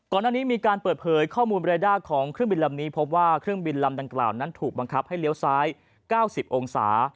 ก่อนหน้านี้มีการเปิดเผยข้อมูลเรด้าของเครื่องบินลำนี้พบว่าเครื่องบินลำดังกล่าวนั้นถูกบังคับให้เลี้ยวซ้าย๙๐องศา